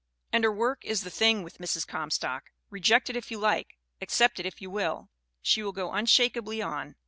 And her work is the thing with Mrs. Comstock. Reject it if you like, ac cept it if you will; she will go unshakeably on.